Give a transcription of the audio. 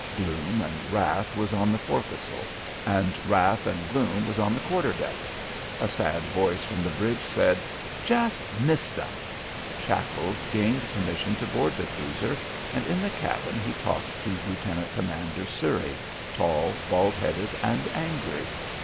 Gloom and wrath was on the forecastle and wrath and gloom was on the quarter deck. A sad voice from the bridge said: "Just missed 'em." Shackles gained permission to board the cruiser, and in the cabin, he talked to Lieutenant Commander Surrey, tall, bald headed and angry.